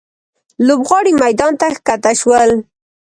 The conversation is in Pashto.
لوبغاړي میدان ته ښکته شول.